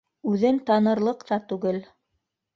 Үҙен танырлыҡ та түгел